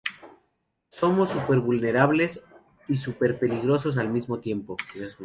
Somos super vulnerables y super peligrosos al mismo tiempo.